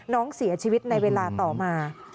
น้องเสียชีวิตในเวลาต่อมา